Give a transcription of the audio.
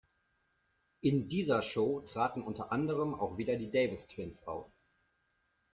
In dieser Show traten unter anderem auch wieder die Davis Twins auf.